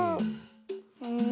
うん。